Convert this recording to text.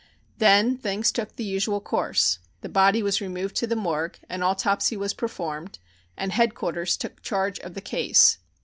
Then things took the usual course. The body was removed to the morgue, an autopsy was performed, and "Headquarters" took charge of the case.